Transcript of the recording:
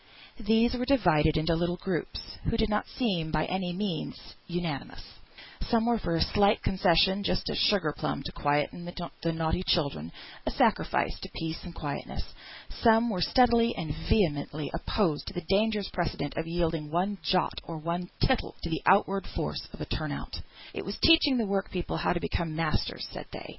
These were divided into little groups, who did not seem unanimous by any means. Some were for a slight concession, just a sugar plum to quieten the naughty child, a sacrifice to peace and quietness. Some were steadily and vehemently opposed to the dangerous precedent of yielding one jot or one tittle to the outward force of a turn out. It was teaching the work people how to become masters, said they.